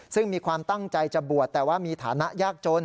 ซึ่งมีความตั้งใจจะบวชแต่ว่ามีฐานะยากจน